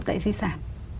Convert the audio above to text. tại di sản